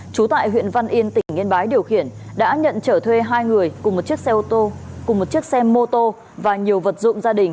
trú tại huyện văn yên tỉnh yên bái điều khiển đã nhận trở thuê hai người cùng một chiếc xe ô tô cùng một chiếc xe mô tô và nhiều vật dụng gia đình